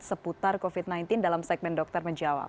seputar covid sembilan belas dalam segmen dokter menjawab